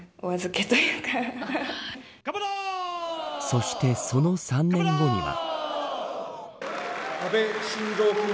そして、その３年後には。